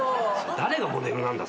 誰がモデルなんだそれ。